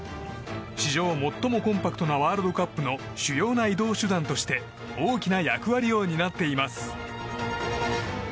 史上最もコンパクトなワールドカップの主要な移動手段として大きな役割を担っています。